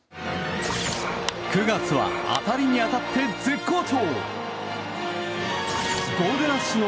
９月は当たりに当たって絶好調！